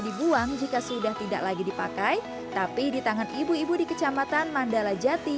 dibuang jika sudah tidak lagi dipakai tapi di tangan ibu ibu di kecamatan mandala jati